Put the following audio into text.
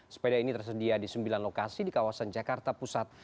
sepeda ini tersedia di sembilan lokasi di kawasan jakarta pusat